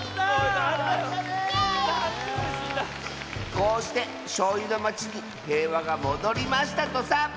こうしてしょうゆのまちにへいわがもどりましたとさ。